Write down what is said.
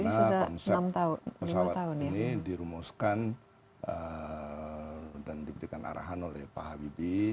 karena konsep pesawat ini dirumuskan dan diberikan arahan oleh pak habibie